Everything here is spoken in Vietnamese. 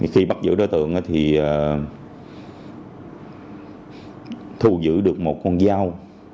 khi bắt giữ đối tượng thì thu giữ được một con dao